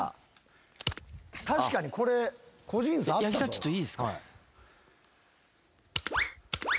ちょっといいですか？